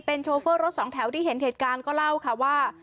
โชเฟอร์รถสองแถวที่เห็นเหตุการณ์ก็เล่าค่ะว่า